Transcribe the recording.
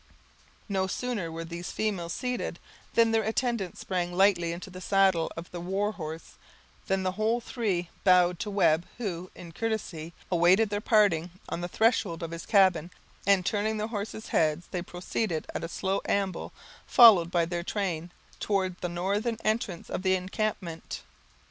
No sooner were these females seated, than their attendant sprang lightly into the saddle of the war horse, when the whole three bowed to Webb, who in courtesy, awaited their parting on the threshold of his cabin and turning their horses' heads, they proceeded at a slow amble, followed by their train, toward the northern entrance of the encampment.